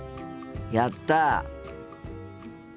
やった！